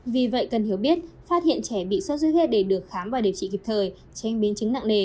vì vậy cần hiểu biết phát hiện trẻ bị sốt xuất huyết để được khám và điều trị kịp thời tránh biến chứng nặng nề